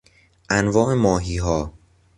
انواع ماهیها